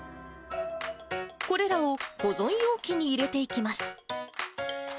これらを保存容器に入れていきます。